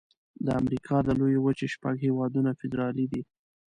د امریکا د لویې وچې شپږ هيوادونه فدرالي دي.